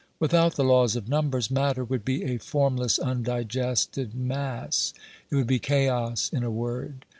Without the laws of numbers, matter would be a form less, undigested mass ; it would be chaos, in a word.